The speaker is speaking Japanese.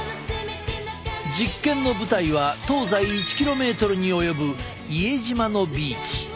実験の舞台は東西１ｋｍに及ぶ伊江島のビーチ。